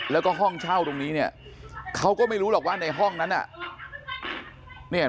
แล้วก็ห้องเช่าตรงนี้เนี่ยเขาก็ไม่รู้หรอกว่าในห้องนั้นน่ะ